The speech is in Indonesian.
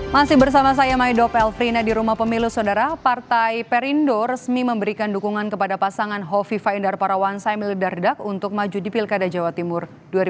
masih bersama saya maido pelfrina di rumah pemilu saudara partai perindo resmi memberikan dukungan kepada pasangan hovifa indar parawansa emil dardak untuk maju di pilkada jawa timur dua ribu tujuh belas